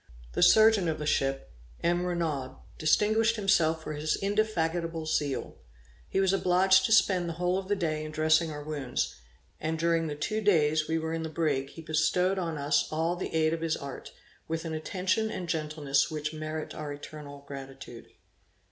The surgeon of the ship, M. Renaud, distinguished himself for his indefatigable zeal. He was obliged to spend the whole of the day in dressing our wounds; and during the two days we were in the brig, he bestowed on us all the aid of his art, with an attention and gentleness which merit our eternal gratitude.